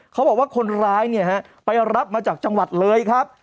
เขาบอกว่าคนร้ายเนี่ยฮะไปรับมาจากจังหวัดเลยครับ